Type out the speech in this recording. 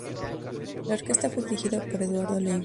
La orquesta fue dirigida por Eduardo Leiva.